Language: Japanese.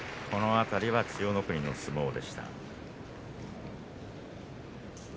この辺りは千代の国の相撲でした。